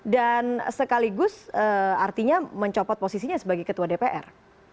dan sekaligus artinya mencopot posisinya sebagai ketua dpr